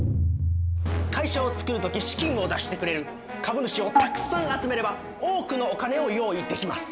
会社をつくる時資金を出してくれる株主をたくさん集めれば多くのお金を用意できます。